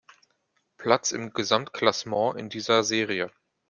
Platz im Gesamtklassement in dieser Serie.